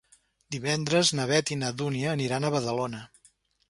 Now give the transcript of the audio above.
Divendres na Beth i na Dúnia aniran a Badalona.